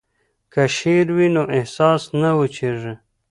که شعر وي نو احساس نه وچیږي.